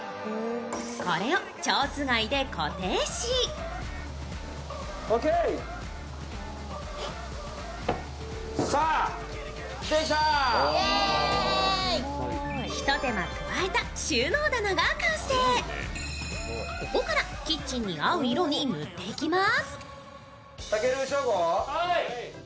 これをちょうつがいで固定しここから、キッチンに合う色に塗っていきます。